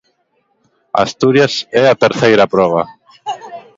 Asturias é a terceira proba.